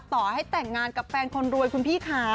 ต่อให้แต่งงานกับแฟนคนรวยคุณพี่ค่ะ